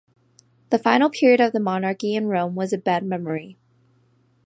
The final period of the monarchy in Rome was a bad memory.